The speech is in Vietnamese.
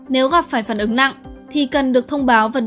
nếu gặp phải phản ứng nặng thì cần được thông báo